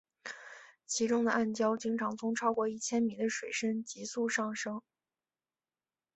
其中的暗礁经常从超过一千米的水深急速上升。